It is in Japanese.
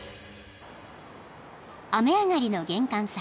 ［雨上がりの玄関先］